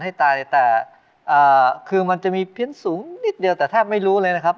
ให้ตายแต่คือมันจะมีเพี้ยนสูงนิดเดียวแต่แทบไม่รู้เลยนะครับ